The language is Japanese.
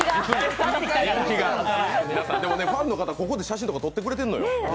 でもファンの方、ここで写真撮ってくれてるのよ。